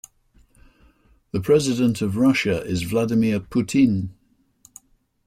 The president of Russia is Vladimir Putin.